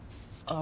あ